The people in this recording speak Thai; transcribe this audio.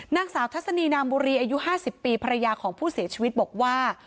นางสาวทัศนีนามบุรีอายุ๕๐ปีภรรยาของผู้เสียชีวิตบอกว่า